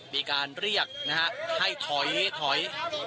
มีการเรียกนะฮะให้ถอยถอย